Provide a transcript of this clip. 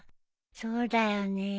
そうだよね